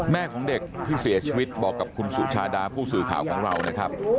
แม่ของเด็กที่เสียชีวิตบอกกับคุณสุชาดาผู้สื่อข่าวของเรานะครับ